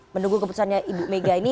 menunggu keputusannya ibu mega ini